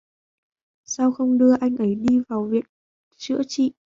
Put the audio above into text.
Sao không đưa anh ấy đi vào bệnh viện chữa trị